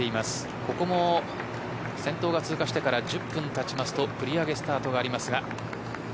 ここも先頭が通過してから１０分が経ちますと繰り上げスタートがあります。